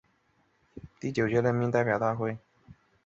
雷茨地区弗雷奈。